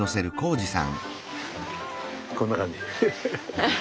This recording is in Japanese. こんな感じ。